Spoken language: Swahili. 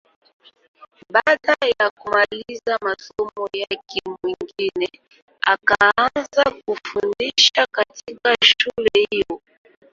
Baada ya kumaliza masomo yake, Mwingine akaanza kufundisha katika shule hiyo.